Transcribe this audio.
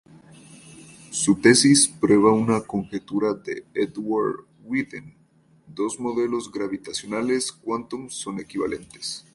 Su tesis prueba una conjetura de Edward Witten: dos modelos gravitacionales quantum son equivalentes.